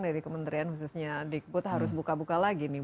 dari kementerian khususnya dikbud harus buka buka lagi nih